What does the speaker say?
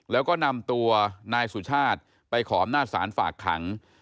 แล้วก็นำตัวนายสุชาติไปขออำนาจศาลฝากขัง